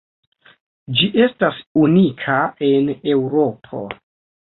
Ĝi estas unika en Eŭropo.